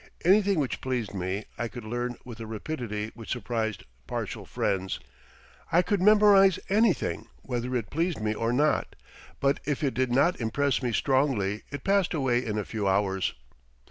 Anything which pleased me I could learn with a rapidity which surprised partial friends. I could memorize anything whether it pleased me or not, but if it did not impress me strongly it passed away in a few hours.